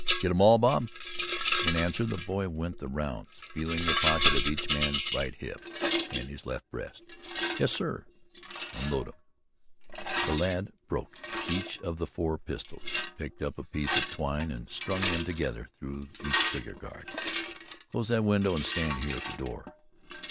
"Get 'em all, Bob?" In answer the boy went the rounds feeling the pocket of each man's right hip and his left breast. "Yes, sir." "Unload 'em!" The lad "broke" each of the four pistols, picked up a piece of twine and strung them together through each trigger guard. "Close that window and stand here at the door."